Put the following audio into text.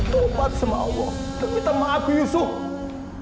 tupat sama allah dan minta maaf ke yusuf